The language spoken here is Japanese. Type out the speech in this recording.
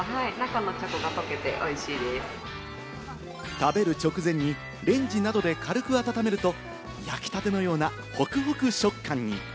食べる直前にレンジなどで軽く温めると焼きたてのようなホクホク食感に！